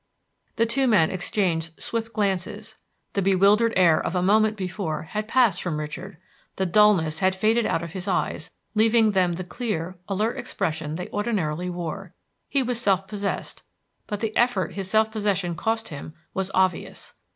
The two men exchanged swift glances. The bewildered air of a moment before had passed from Richard; the dullness had faded out of his eyes, leaving them the clear, alert expression they ordinarily wore. He was self possessed, but the effort his self possession cost him was obvious.